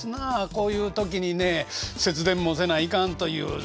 こういう時にね節電もせないかんというね。